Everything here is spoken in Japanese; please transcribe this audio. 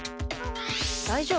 大丈夫？